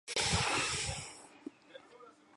ellas hubiesen partido